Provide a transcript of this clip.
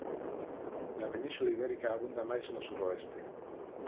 Na península Ibérica abunda máis no suroeste.